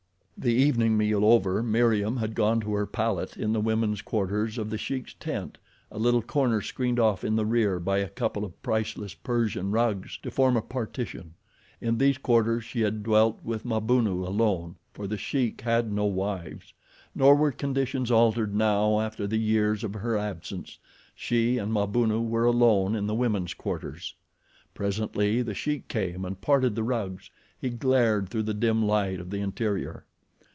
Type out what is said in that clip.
The evening meal over Meriem had gone to her pallet in the women's quarters of The Sheik's tent, a little corner screened off in the rear by a couple of priceless Persian rugs to form a partition. In these quarters she had dwelt with Mabunu alone, for The Sheik had no wives. Nor were conditions altered now after the years of her absence—she and Mabunu were alone in the women's quarters. Presently The Sheik came and parted the rugs. He glared through the dim light of the interior.